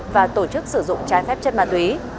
và tổ chức sử dụng trái phép chất ma túy